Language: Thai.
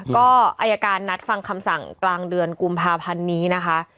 ก็อายการนัดฟังคำสั่งกลางเดือนกุมภาพันธ์นี้นะคะ